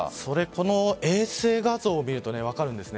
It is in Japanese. この衛星画像を見ると分かるんです。